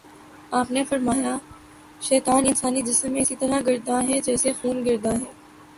آپ نے فرمایا: شیطان انسانی جسم میں اسی طرح گرداں ہے جیسے خون گرداں ہے